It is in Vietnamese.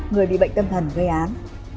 người bị bệnh tâm thần gây án